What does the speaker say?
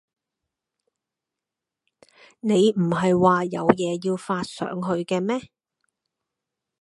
你唔喺話有嘢要發上去嘅咩？